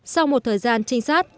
sau một thời gian trinh sát